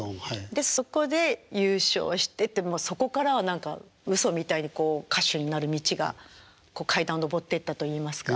でそこで優勝してそこからは何かうそみたいに歌手になる道が階段上ってったといいますか。